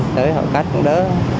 tới họ cắt cũng đỡ